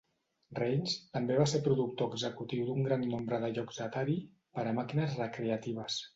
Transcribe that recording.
Rains també va ser productor executiu d'un gran nombre de jocs Atari per a màquines recreatives.